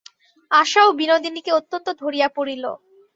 আশাও বিনোদিনীকে অত্যন্ত ধরিয়া পড়িল।